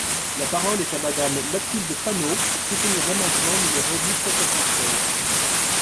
La parole est à Madame Mathilde Panot, pour soutenir l’amendement numéro mille cent soixante-seize.